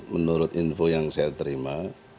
menurut info yang saya terima